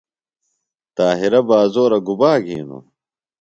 طاہرہ بازورہ گُبا گِھینوۡ؟